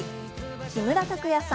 木村拓哉さん